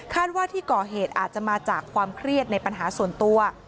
ว่าที่ก่อเหตุอาจจะมาจากความเครียดในปัญหาส่วนตัว